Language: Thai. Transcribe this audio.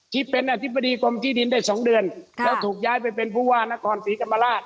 ที่เป็นอธิบดีกรมที่ดินได้๒เดือนแล้วถูกย้ายไปเป็นผู้ว่านครศรีธรรมราช